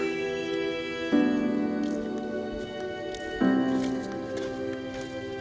jadi kita harus berpikir pikir kita harus berpikir pikir kita harus berpikir